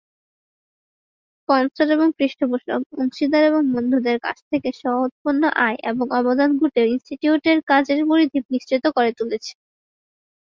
Sponsor এবং পৃষ্ঠপোষক, অংশীদার এবং বন্ধুদের কাছ থেকে স্ব-উৎপন্ন আয় এবং অবদান গ্যোটে-ইনস্টিটিউটের কাজের পরিধি বিস্তৃত করে তুলেছে।